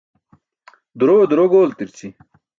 Durowe duro gooltirići.